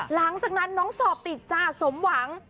หลังจากนั้นน้องสอบติดจ้าสมหวัง